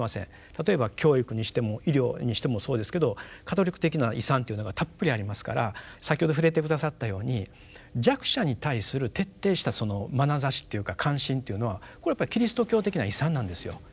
例えば教育にしても医療にしてもそうですけどカトリック的な遺産というのがたっぷりありますから先ほど触れて下さったように弱者に対する徹底したまなざしっていうか関心というのはこれはキリスト教的な遺産なんですよ。